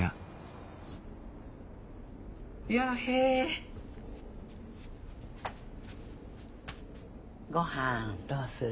陽平ごはんどうする？